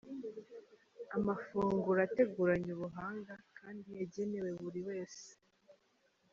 Amafunguro ateguranye ubuhanga kandi yagenewe buri wese.